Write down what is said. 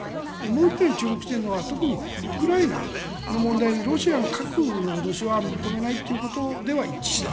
もう１点注目しているのは特にウクライナの問題でロシアの核の脅しは認めないということでは一致した。